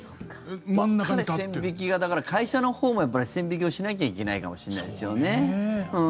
だから会社のほうも線引きをしなきゃいけないかもしれないですよね。